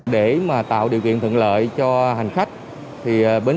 để mà tạo điều kiện thuận lợi cho hành khách